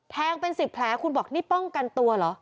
เป็น๑๐แผลคุณบอกนี่ป้องกันตัวเหรอ